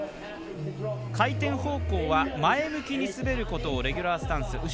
回転方向は前向きに滑ることをレギュラースタンス。